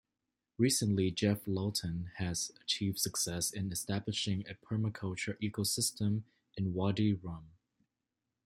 Recently, Geoff Lawton has achieved success in establishing a permaculture ecosystem in Wadi Rum.